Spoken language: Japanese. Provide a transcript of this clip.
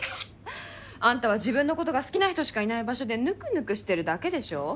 あんたは自分のことが好きな人しかいない場所でぬくぬくしてるだけでしょう？